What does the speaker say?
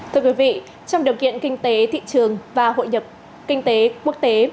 thưa quý vị trong điều kiện kinh tế thị trường và hội nhập kinh tế quốc tế